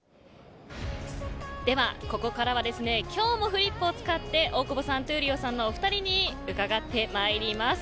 ではここからはですね今日もフリップを使って大久保さん闘莉王さんの２人に伺ってまいります。